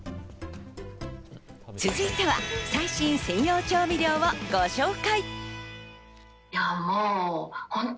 続いては、最新専用調味料をご紹介。